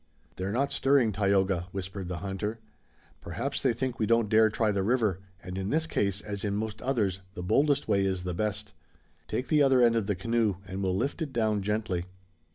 "They're not stirring, Tayoga," whispered the hunter. "Perhaps they think we don't dare try the river, and in this case as in most others the boldest way is the best. Take the other end of the canoe, and we'll lift it down gently."